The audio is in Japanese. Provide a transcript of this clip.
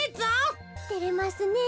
てれますねえ。